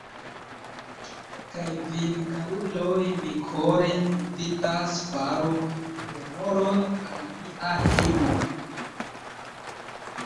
Kaj vin, karuloj, mi kore invitas, faru honoron al mia hejmo!